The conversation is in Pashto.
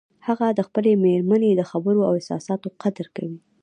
هغه د خپلې مېرمنې د خبرو او احساساتو قدر کوي